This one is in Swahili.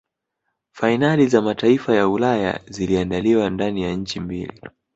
fainali za mataifa ya Ulaya ziliandaliwa ndani ya nchi mbili